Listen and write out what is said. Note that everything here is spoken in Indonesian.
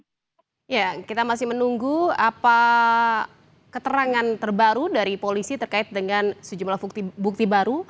ya kita masih menunggu apa keterangan terbaru dari polisi terkait dengan sejumlah bukti baru